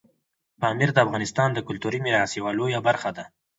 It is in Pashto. پامیر د افغانستان د کلتوري میراث یوه لویه برخه ده.